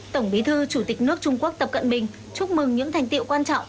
tổng bí thư chủ tịch nước trung quốc tập cận bình chúc mừng những thành tiệu quan trọng